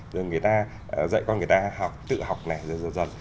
rồi người ta dạy con người ta học tự học này dần dần